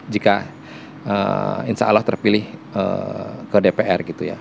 jika insya allah terpilih ke dpr gitu ya